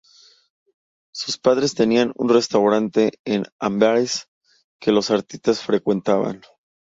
Sus padres tenían un restaurante en Amberes que los artistas frecuentaban.